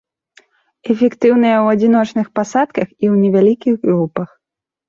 Эфектыўная ў адзіночных пасадках і ў невялікіх групах.